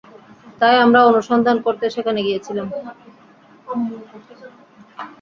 তাই আমরা অনুসন্ধান করতে সেখানে গিয়েছিলাম।